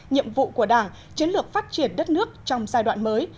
nhiệm vụ của đảng chiến lược phát triển đất nước trong giai đoạn mới